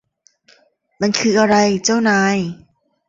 มันคืออะไร เจ้านาย